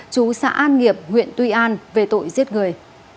chú xã an nghiệp huyện tuy an về tội giết người